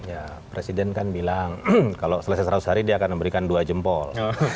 ya presiden kan bilang kalau selesai seratus hari dia akan memberikan dua jempol